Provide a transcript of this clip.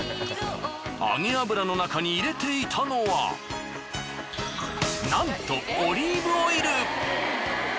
揚げ油の中に入れていたのはなんとオリーブオイル。